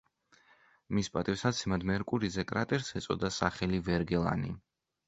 მის პატივსაცემად მერკურიზე კრატერს ეწოდა სახელი ვერგელანი.